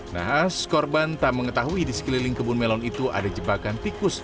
naas korban tak mengetahui di sekeliling kebun melon itu ada jebakan tikus